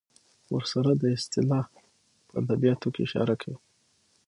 ورسره دا اصطلاح په ادبیاتو کې اشاره کوي.